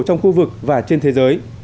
trong khu vực và trên thế giới